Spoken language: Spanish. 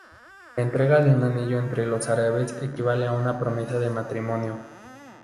La entrega de un anillo entre los árabes equivale a una promesa de matrimonio.